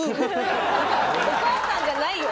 お母さんじゃないよ。